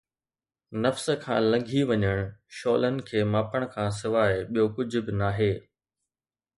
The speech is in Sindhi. نفس کان لنگهي وڃڻ، شعلن کي ماپڻ کان سواءِ ٻيو ڪجهه به ناهي